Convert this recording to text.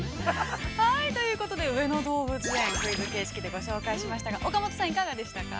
◆はい、ということで、上野動物園、クイズ形式でご紹介しましたが、岡本さん、いかがでしたか。